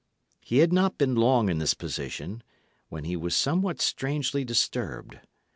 He had not been long in this position, when he was somewhat strangely disturbed.